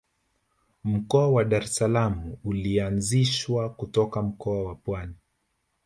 mkoa wa dar es salaam ulianzishwa kutoka mkoa wa pwani